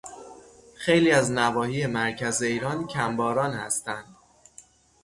خیلی از نواحی مرکز ایران کمباران هستند.